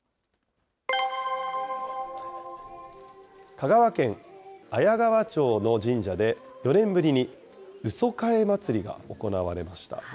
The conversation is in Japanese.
香川県綾川町の神社で、４年ぶりにうそかえ祭が行われました。